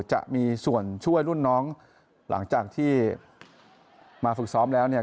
จะมีส่วนช่วยรุ่นน้องหลังจากที่มาฝึกซ้อมแล้วเนี่ย